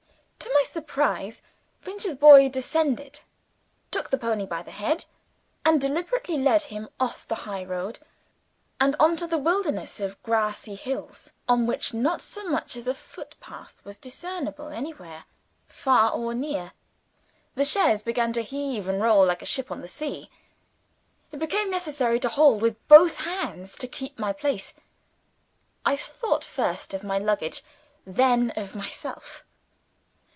To my surprise, Finch's boy descended; took the pony by the head; and deliberately led him off the high road, and on to the wilderness of grassy hills, on which not so much as a footpath was discernible anywhere, far or near. The chaise began to heave and roll like a ship on the sea. It became necessary to hold with both hands to keep my place. I thought first of my luggage then of myself.